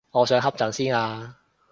我想瞌陣先啊